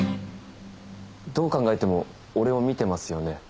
どう考えても俺を見てますよね？